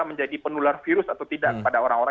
menjadi penular virus atau tidak kepada orang orang